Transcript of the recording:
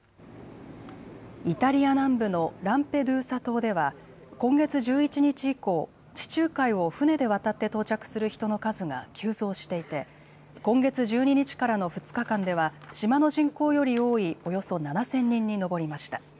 イタリア南部のランペドゥーサ島では今月１１日以降、地中海を船で渡って到着する人の数が急増していて今月１２日からの２日間では島の人口より多いおよそ７０００人に上りました。